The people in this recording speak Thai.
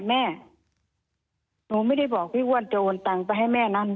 แม่หนูไม่ได้บอกพี่อ้วนจะโอนตังไปให้แม่นั้น